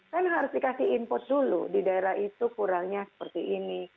kan harus dikasih input dulu di daerah itu kurangnya seperti ini